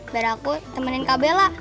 biar aku temenin kak bella